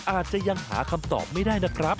อาจจะยังหาคำตอบไม่ได้นะครับ